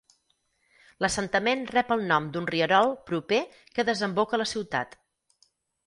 L'assentament rep el nom d'un rierol proper que desemboca a la ciutat.